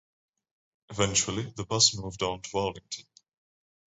Eventually the bus moved on to Arlington.